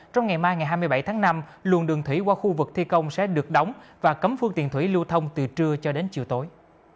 trong ngày mai ngày hai mươi bảy tháng năm luồng đường thủy qua khu vực thi công sẽ được đóng và cấm phương tiện thủy lưu thông từ trưa cho đến chiều tối